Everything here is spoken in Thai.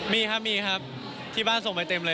มีครับมีครับที่บ้านส่งไปเต็มเลย